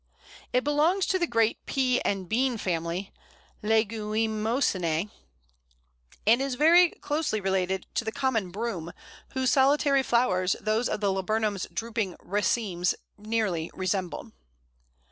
It belongs to the great Pea and Bean family (Leguminosæ), and is very closely related to the Common Broom, whose solitary flowers those of the Laburnum's drooping racemes nearly resemble.